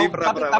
pernah pernah sih